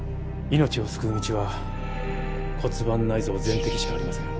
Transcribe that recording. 命を救う道は骨盤内臓全摘しかありません。